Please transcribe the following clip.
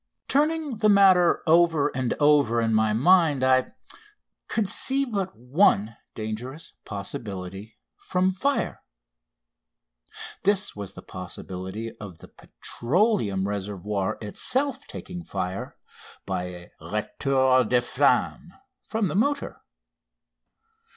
Turning the matter over and over in my mind I could see but one dangerous possibility from fire. This was the possibility of the petroleum reservoir itself taking fire by a retour de flamme from the motor.